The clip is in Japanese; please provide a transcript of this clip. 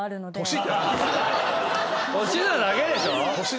年なだけでしょ？